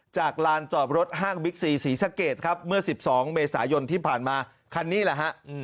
ลานจอดรถห้างบิ๊กซีศรีสะเกดครับเมื่อ๑๒เมษายนที่ผ่านมาคันนี้แหละฮะ